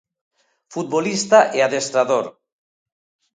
Futbolista e adestrador.